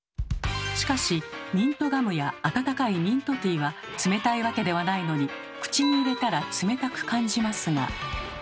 しかしミントガムや温かいミントティーは冷たいわけではないのに口に入れたら冷たく感じますが。